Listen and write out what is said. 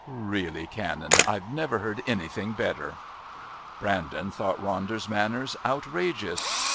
"Really, Canon, I've never heard anything better." Brandon thought Ronder's manners outrageous.